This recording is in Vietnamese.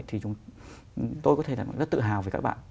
thì chúng tôi có thể rất tự hào về các bạn